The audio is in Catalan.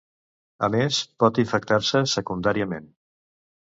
A més, pot infectar-se secundàriament.